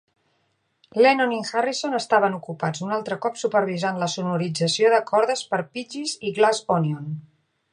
Lennon in Harrison estaven ocupats un altre cop supervisant la sonorització de cordes per "Piggies" i "Glass Onion".